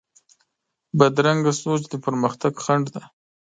بدرنګه سوچ د پرمختګ خنډ دی